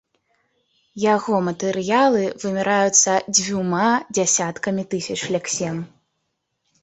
Яго матэрыялы вымяраюцца дзвюма дзясяткамі тысяч лексем.